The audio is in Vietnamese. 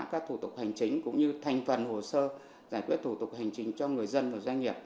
các thủ tục hành chính cũng như thành phần hồ sơ giải quyết thủ tục hành trình cho người dân và doanh nghiệp